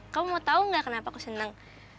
kamu mau tahu nggak kenapa aku senang